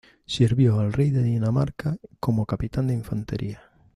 Sirvió al rey de Dinamarca como capitán de infantería.